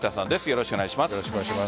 よろしくお願いします。